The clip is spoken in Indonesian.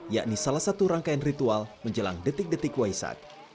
yakni salah satu rangkaian ritual menjelang detik detik waisak